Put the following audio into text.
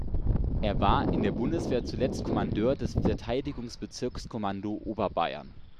Er war in der Bundeswehr zuletzt Kommandeur des Verteidigungsbezirkskommando Oberbayern.